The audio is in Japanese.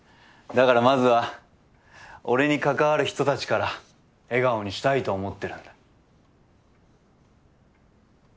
だからまずは俺に関わる人たちから笑顔にしたいと思ってるんだ。